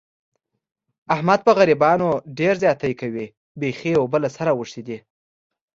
احمد په غریبانو ډېر زیاتی کوي. بیخي یې اوبه له سره اوښتې دي.